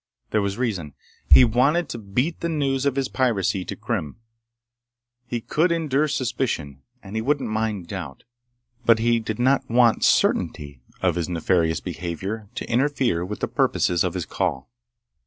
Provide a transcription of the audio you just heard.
There was reason. He wanted to beat the news of his piracy to Krim. He could endure suspicion, and he wouldn't mind doubt, but he did not want certainty of his nefarious behavior to interfere with the purposes of his call.